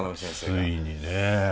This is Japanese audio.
ついにね。